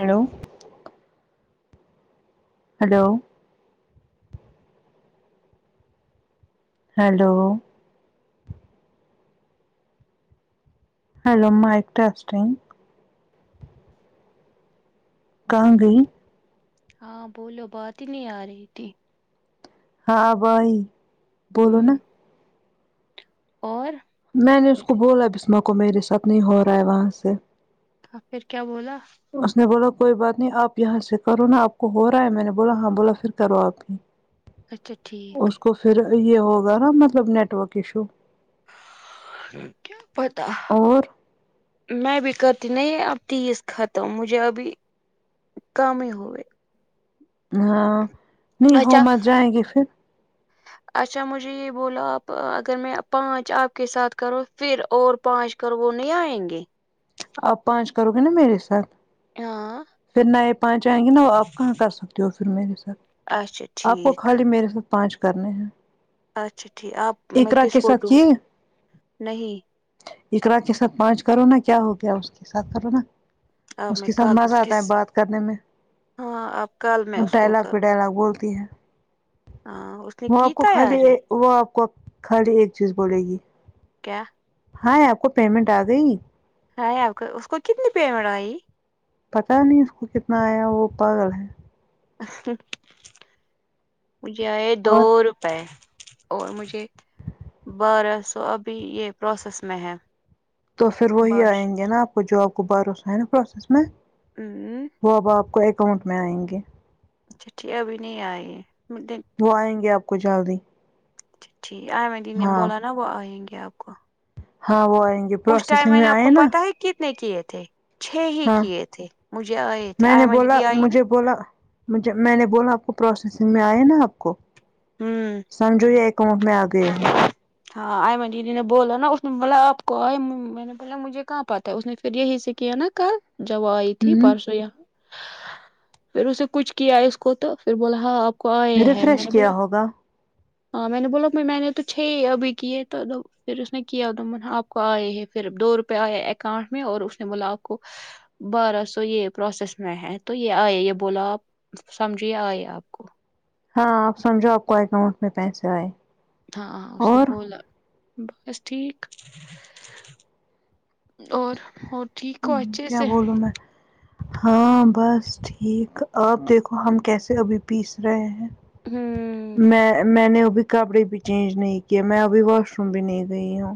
hello hello hello hello mic testing کا گئے ہاں بولو بات ہی نہیں آ رہی تھی ہاں بھائی ہوں اور میں نے اس کو بولا بسم کو میرے ساتھ نہیں ہو رہا ہے وہاں سے پھر کیا بولا اس نے بولا کوئی بات نہیں آپ یہاں سے کرو نا آپ کو ہو رہا ہے میں نے بولا ہاں بولا پھر کرو آپ بھی اچھا ٹھیک کو پھر یہ ہوگا نا مطلب نیٹ ورک ایشو کیا پتا اور میں بھی کرتی نہیں اب تیس ختم مجھے ابھی کم ہی ہوئے ہاں نہیں ہو اچھا ما جائیں گے پھر اچھا مجھے یہ بولا آپ اگر میں پانچ آپ کے ساتھ کرو پھر اور پانچ کرو وہ نہیں آئیں گے آپ پانچ کرو گے نا میرے ساتھ ہاں پھر نئے پاننچ آئیں گے نا آپ کہاں کر سکتے ہو پھر میرے ساتھ اچھا آپ کو ٹھیک خالی میرے ساتھ پانچ کرنے ہیں اچھا ٹھیک آپ میں اقرا کس کے کو ساتھ دوں کیے نہیں اقرا کے ساتھ پانچ کرونا کیا ہو گیا اس کے ساتھ کرونا اب میں کال اس کے بات کرنے میں کل میں وہ اس کو ڈائلاگ کر، پہ ڈائلاگ بولتی ہیں ہاں اس نے وہ کی آپ کو خالی تیاری وہ آپ کو خالی ایک چیز بولے گی کیا ہاں آپ کو پیمنٹ آ گئی ہے آپ کا اس کو کتنی پیمنٹ آںی پتا نہیں اس کو کتنا آیا وہ پاگل ہے یہ ہے اور دور پے اور مجھے بارہ سو ابھی یہ پروسیس میں ہے تو پھر وہی باش آئیں گے نا آپ کو جو آپ کو باروسو ہے نا پروسیس میں امم وہ اب آپ کو اکاؤنٹ میں آئیں گے اچھا ٹھیک ہے ابھی نہیں آئے وہ آئیں گے آپ کو جلدی جی ٹھیک ایمن دیدی نے ہاں بولا نا وہ آئیں گے آپ کو ہاں وہ آئیں گیے اس ٹائم میں نے آپ کو پتاہ ہے کتنے کیے تھے چھ ہی ہاں کیے تھے مجھے آئے تھے میں آئ نے مادیدی بولا مجھے بولا مجھے میں نے بولا آپ کو پروسیسنگ میں آیا نا آپ کو ہوں سمجھو یہ اکاؤنٹ میں آ گئے ہیں ہاں آئ ما دیدی نے بولا نا اس مطلب آپ کو بھلا مجھے کہاں پتا ہے اس نے پھر یہی سے کیا نا کل جب آئی تھی ہ پرسوں یہاں پھر اسے کچھ کیا ہے اس کو تو پھر بولا ہاں آپ کو آئے ہیں میں ریفریش نے کیا بولا ہوگا ہاں میں نے بولا پھر میں نے تو چھ ہی ابھی کیے تو پھر اس نے کیا تھا آپ کو آئے ہیں پھر دو روپئے آئےہے اکاؤنٹ میں اور اس نے ملا آ پکو بارہ سو یہ پروسیس میں ہے تو یہ آئے یہ بولا آپ سمجھیے آئے آپ کو ہاں آپ سمجھو آپ کو اکاؤنٹ میں پیسے آئے ہاں ہاں اس اور نےبولا بس ٹھیک اور ٹھیک ہو اچھے کیا سے بولوں میں ہاں بس ٹھیک آپ دیکھو ہم کیسے ابھی پیس رہے ہیں ہوں میں میں نے ابھی کپڑے بھی چینج نہیں کیے میں ابھی واش روم بھی نہیں گئی ہوں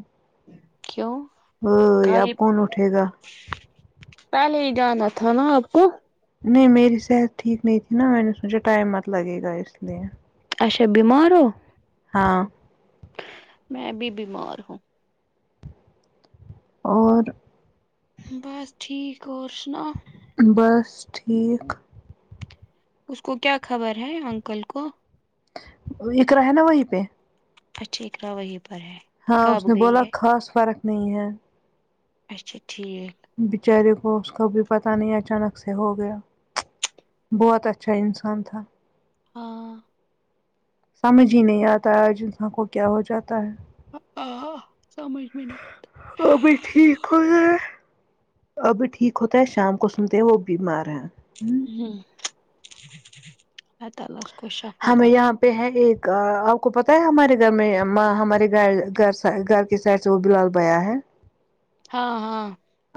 کیوں امم یہ اب خالی کون اٹھے گا پہلے ہی جانا تھا نا آپ کو نہیں میری صحت ٹھیک نہیں تھی نا میں نے سوچا ٹائم مت لگے گا اس لیے اچھا بیمار ہو ہاں میں بھی بیمار ہوں اور بس ٹھیک اور سناؤ بس ٹھیک اس کو کیا خبر ہے انکل کو وہ اقرا ہے نا وہیں پہ اچھی اقرا وہی پر ہے ہاں اس کب نے بولا گئی ہے خاص فرق نہیں ہے اچھا ٹھیک بچارے کو اس کا بھی پتہ نہیں اچانک سے ہو گیا بہت اچھا انسان تھا ہاں سمجھ ہی نہیں آتا جنساں کو کیا ہو جاتا ہے آ سمجھ میں نہیں اور بھی ٹھیک ہوئے ہیں ابی ٹھیک ہوتا ہے شام کو سنتے ہیں وہ بیمار ہے ہ اللہ تعالی اس کو شفا بخشتے ا آپ کو پتاہ ہے ہمارے گھر میں ما ہمارے بہیں گھر سی گھر کی سائڈ سے وہ بلال بیا ہے ہاں ہاں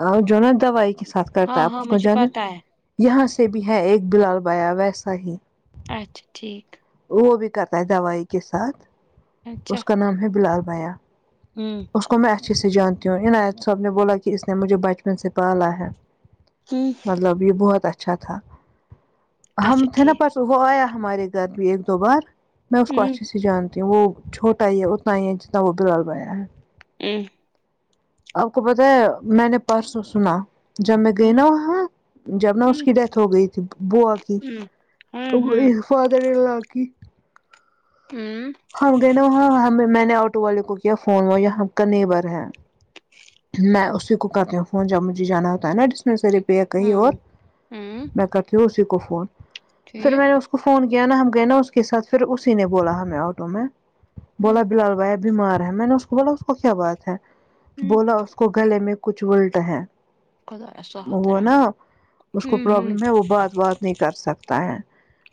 اور جو نا دوائی کے ساتھ کرتا ہاں ہے آپ ہاں اس کو مجھے جانا پتا ہے یہاں سے بھی ہے ایک بلال بایا ویسا ہی اچھا ٹھیک وہ بھی کرتا ہے دوائی کے ساتھ اس کا نام ہے بلال بھیا ہں اس کو میں اچھے سے جانتی ہوں عنایت صاب نے بولا کہ اس نے مجھے بچپن سے پالا ہے ہوں مطلب یہ بہت اچھا تھا ہم اچھا تھے نا ٹھیک پرس وہ آیا ہمارے گھر ایک دو بار میں اس کو ہوں اچھے سے جان وہ چھوٹا ہی ہے اتنا ہی ہے جتنا وہ بلال بایا ہے ایک آپ کو پتا ہے میں نے پرسوں سنا جب میں گئی ہوں نا وہاں جب نہ اس ہوں کی ڈیتھ ہو گئی تھی بووا کی ہوں ہوں وہ ہوں ہے فدران لا کی ہں ہم گئے نا وہاں ہم میں نے آٹو والے کو کیا فون وہ یہ ہم کا نیبر ہے میں اسی کوکرتی ہوں فون جب مجھے جانا ہوتا ہے نا میں سحری پے کہی اور میں کرتی ہوں اسی کو فون پھر میں نے اس کو فون کیا نا ہم کہ نا اس کے ساتھ پھر اسی نے بولا ہمیں آٹو میں بولا بلال بھائی بیمار ہے میں نے اس کو بولا اس کو کیا بات ہے بولا اس کو گلے میں کچھ الٹ ہیں وہ نا اسکو پرابلم ہے وہ بات بات نہیں کر سکتا ہے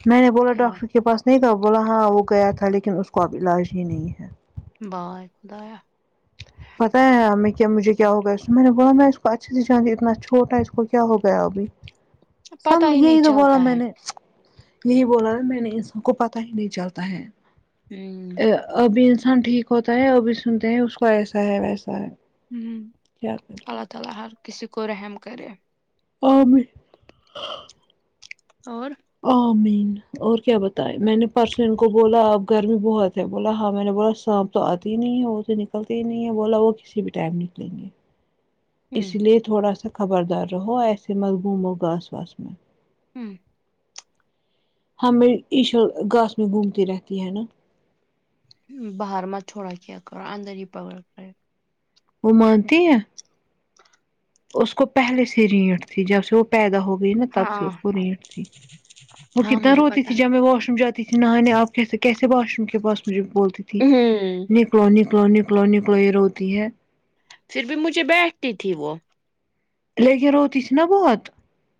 میں نے بولا ڈاکٹر کے پاس نہیں تھا بولا ہاں وہ گیا تھا لیک لن اس کو اب علاج ہی نہیں ہے باائے خدایا پتایا ہے ہمیں کیا مجھے کیا ہوگیا اس میں نے بولا م میں اس کو اچھے سے جان اتنا چھوٹا اس کو کیا ہو گیا ابھی پتہ سب ہی نہیں یہی تو بولا چلتا میں ہے نے یہی بولا ن میں نے ان سب کو پتا ہی نہیں چلتا ہے ہں ابھی انسان ٹھیک ہوتا ہے ابھی سنتے ہیں اس کو ایسا ہے ویسا ہے ہ کیا کریں اللہ تعالی ہر کسی کو رحم کرے اورام اور ع مین اور کیا بتائے میں نے پرسوں ان کو بولا اب گرمی بہت ہے بولا ہاں میں نے بولا سانپ تو آتی ہی نہیں ہے وہ تو نکلتے ہی نہیں ہے بولا وہ کسی بھی ٹائم نکلیں گے اس ہوں لیے تھوڑا سا خبردار رہو ایسے مزگوم ہو گاس واس میں ہں ہمیں ایشا گاس میں گھومتی رہتی ہے نا باہر م چھوڑا کیا کر اندر ہی پکڑ کرے وہ مانتی ہیں اس کو پہلے سے رینٹ تھی جب سے وہ پیدا ہو گئی نا تب سے ہاں اس کو ہاں نیٹ تھی وہ ہاں کتنا مجھے روتی پتا تھی جب میں واش روم جات تی تھی نہ نے آپ کیسے کیسے باش روم کے پاس مجھے بولتی تھی ہوں ن کلو نکلو نکلو نکلو یہ روتی ہے پھر بھی مجھے بیٹھتی تھی وہ لے کے روتی تھی نا بہت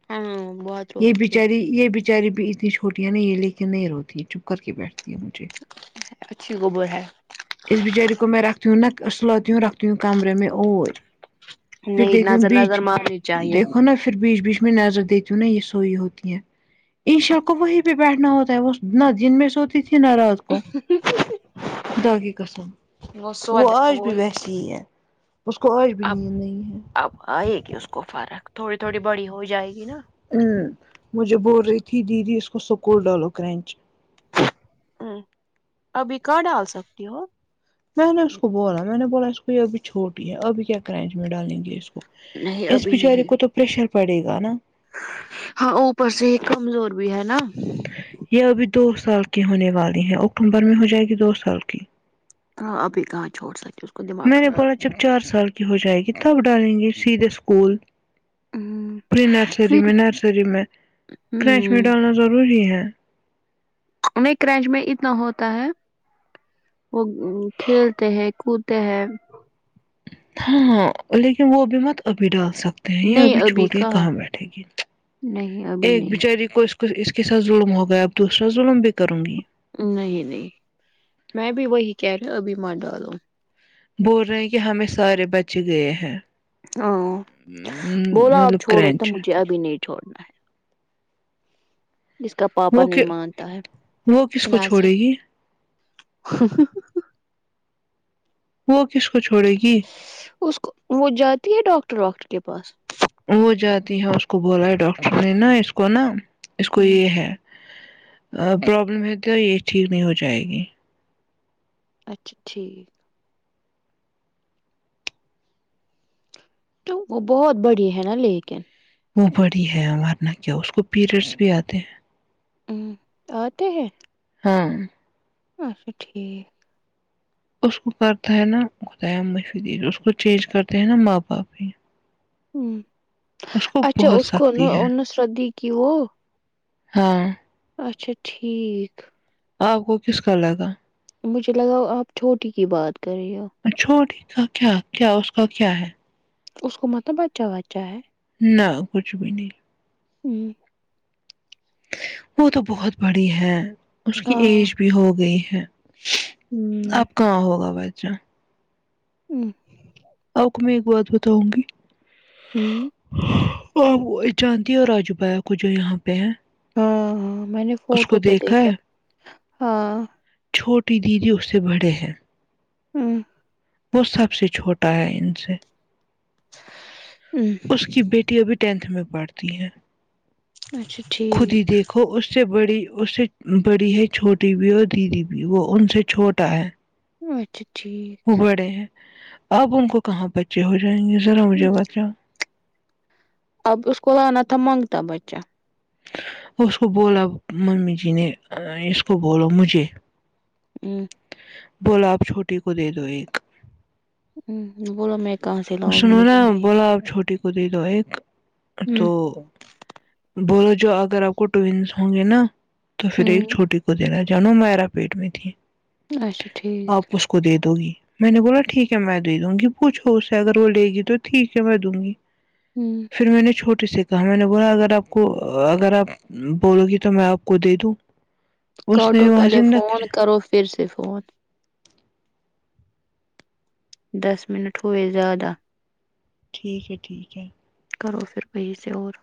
ہاں بہت یہ روتی تھی بچاری یہ بچاری بھی اتنی چھوٹی نہیں یہ لے کے نہیں روتی چپ کر کے بیٹھتی ہے مجھے اچھی گبر ہے اس بچارے کو میں رکھتی ہوں نہ سلاتتی ہ رکھتی ہوں کمرے میں اور پھر نہیں دیکتی ہوں نظر بیچ نظر مارنی چاہیے دیکھ ہوناا پھر بیچ بیچ میں نظر دیتی ہوں نا یہ سوئیی ہوتی ہیں انشاء اللہ وہی پہ بیٹھا ہوتا ہے وہ نہ دن میں سو تھی نہ رات کو کو خدا کی قسم وہ آج بھی ویس ای ہے اس کو آج بھی آپ نیند نہیں ہے اب آئے گی اس کو فرق تھوڑی تھوڑی بڑی ہو جائے گی نا ہ مجھے بول پھر رہی تھی دیدی اس کو سکول ڈالو کرنچ ا ابھی کہاں ڈال سکتی ہو میں نے اس کو بولا میں نے بولا اس کو یہ ابھی چھوٹی ہے ابھی کیا کرنچ میں ڈالیں گے اس کو نہیں اس ابھی بچارے نہیں کو تو پریشر پڑے گا نا ہاں او پر سے یہ کمزور بھی ہے نا یہ ابھی دو سال کی ہونے والی ہے اکتوبر میں ہو جائے گی دو سال کی ابھی کہاں چھوڑ سا ک میں نے بولا جب چار سال کی ہو جائے گی تب ڈالیں گے سیدھے اسکول ہوں پری نرسری پھر میں نرسری میں کرنچ میں ہوں ڈالنا ضروری ہے می کرینچ میں اتنا ہوتا ہے وہ کھیلتے ہیں کودتے ہیں ہاں لیکن وہ بھی مت ابھی ڈال سکتا نہیں یہ ابھی چھوٹی کہاں بیٹھے گی نہیں ابھی ایک نہیں بچاری کو اس کو کچھ اس کے ساتھ ظلم ہو گیا اب دوسرا ظلم بھی کروں گی نہیں نہیں میں بھی وہی کہہ رہے ابھی مت ڈالوں بول رہے ہیں کہ ہمیں سارے بچے گئے ہیں ہاں بولا اپ مطلب چھوڑو تو کرنچ مجھے ابھی نہیں چھوڑنا ہے اس کا پاپا وہ نہیں مانتا ہے وہ کس کو چھوڑے گی [unintelligible] وہ کس کو چھوڑے گی اس کو وہ جاتی ہے ڈاکٹر واکٹر کے پاس وہ جاتی ہے اس کو بولا ہے ڈاکٹر نے نا اس کو نا اس کو ہوں یہ ہے پرابلم ہے تو یہ ٹھیک نہیں ہو جائے گی اچھا ٹھیک تو وہ بہت بڑی ہے نا لیکن وہ بڑی ہے ورنہ کیا اس کو پیریڈس بھی آتے ہیں ام آتے ہیں ہاں اچھا ٹھیک اس کو کرتا ہے نا خدایا [unintelligible] اس کو چینج کرتے ہے نا ماں باپ ہی ہ اس کو اچھا بہت اس کو نہ سختی ہے انس شردی کی وہ ہاں اچھا ٹھیک آپ کو کس کا لگا مجھے لگاؤ آپ چھوٹی کی بات کر رہی ہو چھوٹی کا کیا کیا اس کا کیا ہے اس کو مطلب بچہ بچہ ہے نہ کچھ بھی نہیں ہوں وہ تو بہت بڑی ہے اس کی ہاں ایج بھی ہو گئی ہے ہوں اب کہاں ہوگا بچہ ام آپ کو میں ایک بات بتاؤں گی ہوں آ جانتی ہو راجو ببھیا کو جو یہاں پہ ہے ہاں ہاں میں نے اس فوٹو کو پہ دیکھا ہے ہاں چھوٹی دیدی اس سے بڑے ہیں ہوں وہ سب سے چھوٹا ہے ان سے اس ام کی بیٹی ابھی ٹینتھ میں پڑھتی ہے اچھا خود ٹھیک ہی دیکھو اس اس سے بڑی اس سے بڑی ہے چھوٹی بھی اور دیدی بھی وہ ان سے چھوٹا ہے اچھا ٹھیک وہ بڑے ہیں اب ان کو کہاں بچے ہو جائیں گے ذرا ہوں مجھے بتاؤ اب اس کو آنا تھا مانگتا بچہ اس کو بولا ممی جی نے اس کو بولو مجھے ہوں بولا آپ چھوٹی کو دے دو ایک ہ بولو میں کہاں سے لاؤں گی سنو مجھے نا ہی نہیں بولا آپ چھوٹی کو دے دو ایک تو ہ بولو جو اگر آپ کو ٹونز ہوں گے نا تو پھر ایک ہ چھوٹی کو دینا جانو میرا پیٹ میں تھی اچھا ٹھیک آپ اس کو دے دوگی میں نے بولا ٹھیک ہے میں دے دوں گی پوچھو اس سے اگر وہ لے گی تو ٹھیک ہے میں دوں گی ہوں پھر میں نے چھوٹی سے کہا میں نے بولا اگر آپ آ کو اگر آپ بولو گی تو میں آپ کو دے دوں اس کاٹو نے وہاں پہلے سے فون نخرے کرو پھر سے فون دس منٹ ہوئے زیادہ ٹھیک ہے ٹھیک ہے کرو پھر وہی سے اور